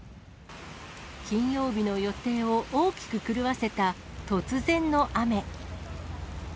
金曜日の予定を大きく狂わせた突然の雨。